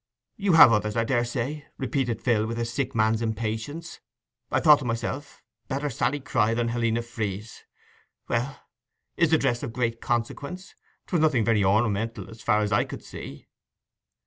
'You have others, I daresay!' repeated Phil, with a sick man's impatience. 'I thought to myself, "Better Sally cry than Helena freeze." Well, is the dress of great consequence? 'Twas nothing very ornamental, as far as I could see.